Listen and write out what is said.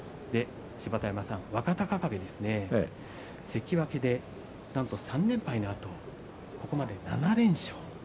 芝田山さん、若隆景ですけれど関脇でなんと３連敗のあと今日で７連勝です。